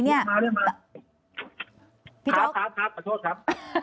ครับขอโทษครับ